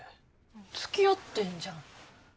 つきあってんじゃん。